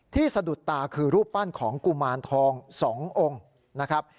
สะดุดตาคือรูปปั้นของกุมารทอง๒องค์นะครับ